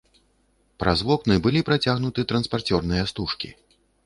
Праз вокны былі працягнуты транспарцёрныя стужкі.